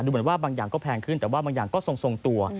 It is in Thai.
เหมือนว่าบางอย่างก็แพงขึ้นแต่ว่าบางอย่างก็ทรงตัว